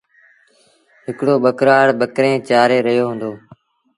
هڪڙو ٻڪرآڙ ٻڪريݩ چآري رهيو هُݩدو۔